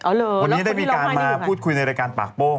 วันนี้ได้มีการมาพูดคุยในรายการปากโป้ง